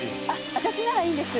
私ならいいんです。